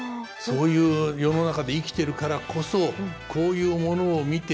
そういう世の中で生きてるからこそこういうものを見て庶民は快哉を叫ぶ。